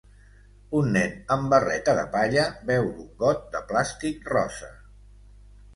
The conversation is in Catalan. Un nen amb barreta de palla beu d'un got de plàstic rossa